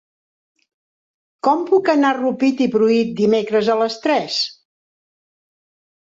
Com puc anar a Rupit i Pruit dimecres a les tres?